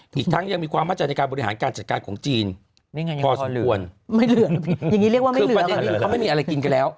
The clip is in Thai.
ไม่เหลือในปีครับคือประเด็นคนเขาไม่มีอะไรกินไปแล้ว